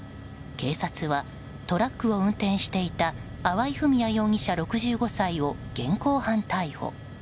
警察は、トラックを運転していた粟井文哉容疑者、６５歳を現行犯逮捕。